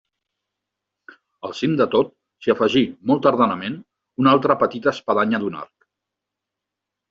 Al cim de tot s'hi afegí molt tardanament una altra petita espadanya d'un arc.